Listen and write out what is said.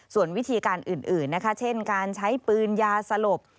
ส่วนวิธีการอื่นนะคะเช่นการใช้ปืนยาสลบ